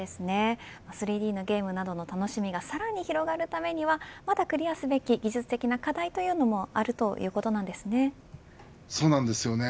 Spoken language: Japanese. ３Ｄのゲームなどの楽しみがさらに広がるためにはまだクリアすべき技術的な課題というのもあるということなんですね。